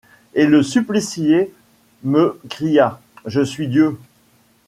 Et le supplicié me cria : Je suis Dieu.